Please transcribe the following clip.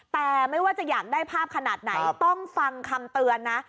แต่ไม่ว่าจะอยากได้ภาพขนาดไหนต้องฟังคำเตือนนะ